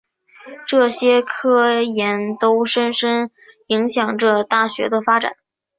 这些科研都深深影响着大学的发展。